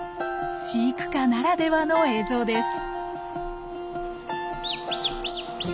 飼育下ならではの映像です。